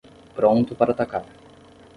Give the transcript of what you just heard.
Pronto para atacar